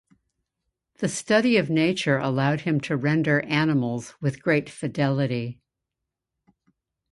The study of nature allowed him to render animals with great fidelity.